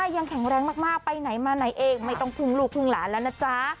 ยังแข็งแรงมากไปไหนมาไหนเองไม่ต้องพึ่งลูกพึ่งหลานแล้วนะจ๊ะ